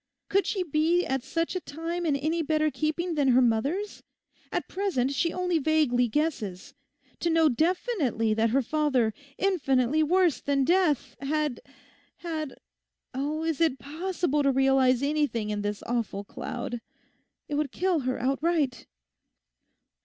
Could she be at such a time in any better keeping than her mother's? At present she only vaguely guesses. To know definitely that her father, infinitely worse than death, had—had—Oh, is it possible to realise anything in this awful cloud? It would kill her outright.